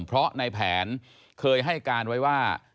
เพราะในแผนเคยให้การไว้ว่า